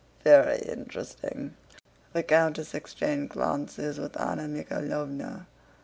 "Very interesting." The countess exchanged glances with Anna Mikháylovna.